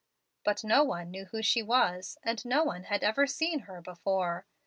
But no one knew who she was, and no one had ever seen her before.